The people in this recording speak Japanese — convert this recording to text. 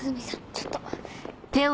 ちょっと。